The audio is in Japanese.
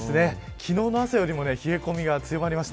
昨日の朝よりも冷え込みが強まりました。